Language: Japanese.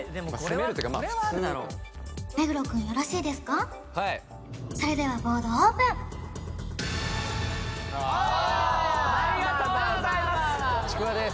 はいそれではボードオープンああありがとうございますちくわです